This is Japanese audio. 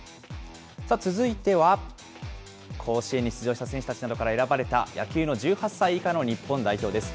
続いては、甲子園に出場した選手たちなどから選ばれた野球の１８歳以下の日本代表です。